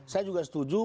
saya juga setuju